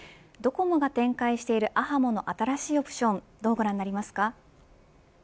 ドコモが展開しているａｈａｍｏの新しいオプションどうご覧になりますか。